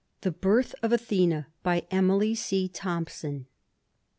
] THE BIRTH OF ATHENA. BY EMILY C. THOMPSON.